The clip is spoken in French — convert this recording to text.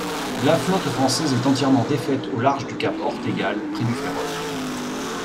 La flotte française est entièrement défaite au large du cap Ortegal, près du Ferrol.